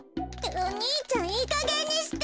お兄ちゃんいいかげんにして！